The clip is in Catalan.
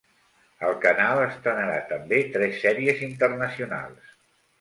El canal estrenarà també tres sèries internacionals.